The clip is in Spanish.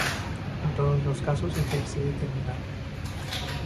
En todos los casos ejerce de terminal.